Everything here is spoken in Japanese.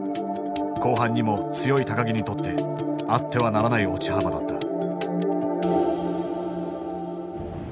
後半にも強い木にとってあってはならない落ち幅だった。